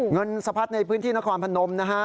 เงินสะพัดในพื้นที่นครพนมนะฮะ